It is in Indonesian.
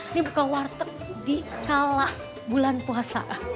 ini bukan warteg dikala bulan puasa